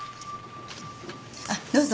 あっどうぞ。